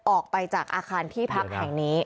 ออกไปจากอาคารที่พักแห่งนี้